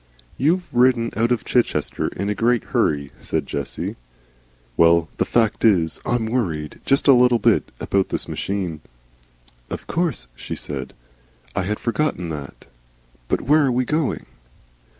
"You've ridden out of Chichester in a great hurry," said Jessie. "Well, the fact of it is, I'm worried, just a little bit. About this machine." "Of course," she said. "I had forgotten that. But where are we going?"